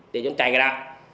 để chúng chạy cái đã